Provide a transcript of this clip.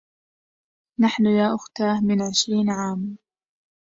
نحن يا أُختاه، من عشرين عام